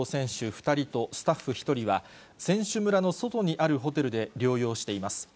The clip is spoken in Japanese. ２人とスタッフ１人は、選手村の外にあるホテルで療養しています。